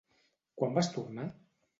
Quan vas tornar?